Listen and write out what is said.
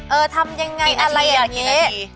ทำยังไงอะไรอย่างนี้